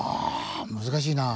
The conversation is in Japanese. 難しいな。